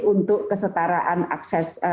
untuk kesetaraan akses